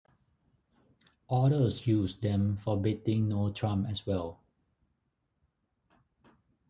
Others use them for bidding no-trump as well.